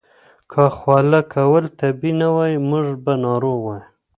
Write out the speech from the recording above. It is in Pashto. که خوله کول طبیعي نه وای، موږ به ناروغ وای.